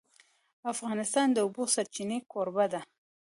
افغانستان د د اوبو سرچینې کوربه دی.